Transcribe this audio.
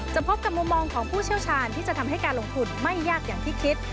พบกับมุมมองของผู้เชี่ยวชาญที่จะทำให้การลงทุนไม่ยากอย่างที่คิด